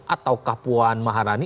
atau kapuan maharani